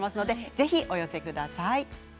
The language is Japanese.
ぜひお寄せください。